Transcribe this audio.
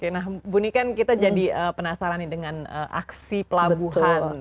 nah bunyikan kita jadi penasaran nih dengan aksi pelabuhan